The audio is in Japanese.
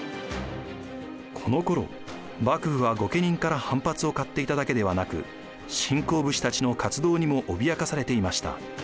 このころ幕府は御家人から反発を買っていただけではなく新興武士たちの活動にも脅かされていました。